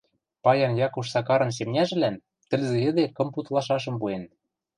Паян Якуш Сакарын семняжӹлӓн тӹлзӹ йӹде кым пуд лашашым пуэн.